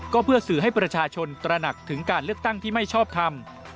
ก็เพื่อสื่อให้ประชาชนตระหนักถึงการเลือกตั้งที่ไม่ชอบทำ